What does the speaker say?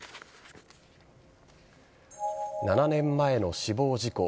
７年前の死亡事故。